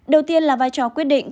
đầu tiên là vai trò quyết định